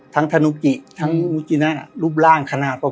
ทั้งธนุกิทั้งมุชิน่าอืมรูปร่างขนาดพอเลยฮะ